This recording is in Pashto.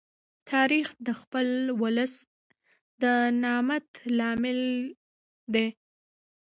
تاریخ د خپل ولس د نامت لامل دی.